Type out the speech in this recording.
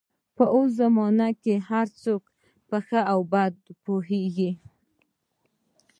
په اوس زمانه کې هر څوک په ښه او بده پوهېږي.